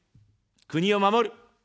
国を守る。